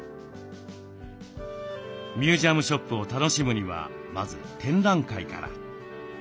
ミュージアムショップを楽しむにはまず展覧会から。